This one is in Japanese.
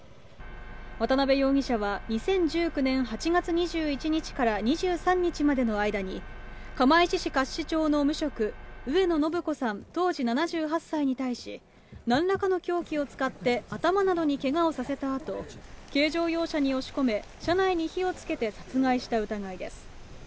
渡部容疑者は２０１９年８月２１日から２３日までの間に、釜石市甲子町の無職、上野誠子さん当時７８歳に対し、なんらかの凶器を使って、頭などにけがをさせたあと、軽乗用車に押し込め、車内に火をつけて殺害した疑いです。